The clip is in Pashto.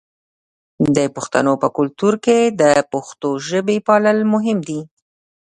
د پښتنو په کلتور کې د پښتو ژبې پالل مهم دي.